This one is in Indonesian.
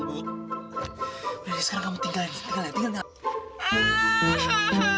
aku tuh mau mutusin jodi hari ini